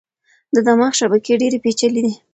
د دماغ شبکې ډېرې پېچلې دي.